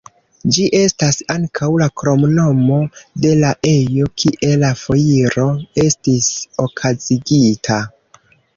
Ĝi estas ankaŭ la kromnomo de la ejo kie la foiro estis okazigita.